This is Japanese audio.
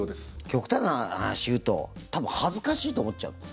極端な話言うと多分、恥ずかしいと思っちゃう。